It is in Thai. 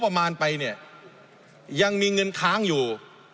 ประมาณไปเนี่ยยังมีเงินค้างอยู่